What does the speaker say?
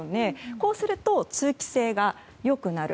こうすると、通気性が良くなる。